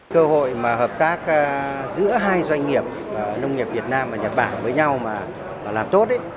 cơ hội mà hợp tác giữa hai doanh nghiệp nông nghiệp việt nam và nhật bản với nhau mà làm tốt